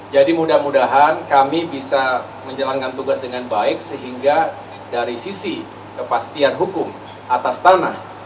jadi mudah mudahan kami bisa menjalankan tugas dengan baik sehingga dari sisi kepastian hukum atas tanah